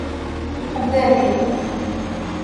А где је било?